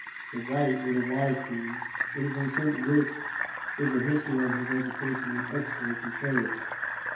The White, or the Wise King, it is uncertain which, is a history of his education and exploits, in prose.